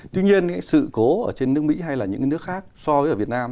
tuy nhiên sự cố ở trên nước mỹ hay là những nước khác so với ở việt nam